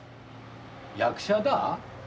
役者だ？